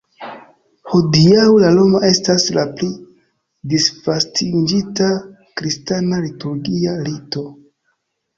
Hodiaŭ la roma estas la pli disvastiĝinta kristana liturgia rito.